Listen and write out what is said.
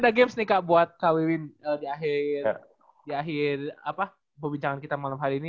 di akhir apa pembincangan kita malam hari ini